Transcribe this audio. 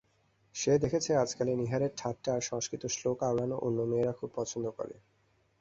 সে দেখেছে আজকালে নীহারের ঠাট্টা আর সংস্কৃত শ্লোক আওড়ানো অন্য মেয়েরা খুব পছন্দ করে।